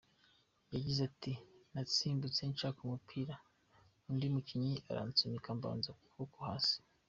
Yagize ati “Nasimbutse nshaka umupira, undi mukinnyi aransunika, mbanza ukuboko hasi.